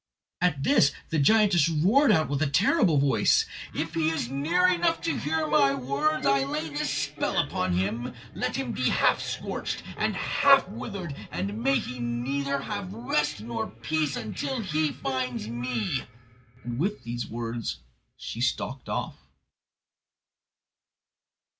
At this the giantess roared out with a terrible voice: "If he is near enough to hear my words, I lay this spell on him: Let him be half scorched and half withered; and may he have neither rest nor peace till he finds me." And with these words she stalked off.